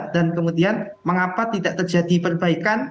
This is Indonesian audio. dan kemudian mengapa tidak terjadi perbaikan